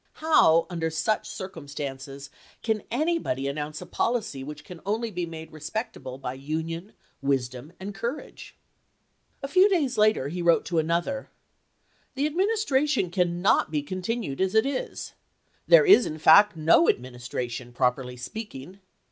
How, uudcr such circumstauces, can anybody an sahnon°p. uouucc a poUcy wMch can only be made respecta 5!^ 562.' ble by union, wisdom, and courage ?" A few days later he wrote to another: "The Administration cannot be continued as it is. There is, in fact, no Administration, properly speaking.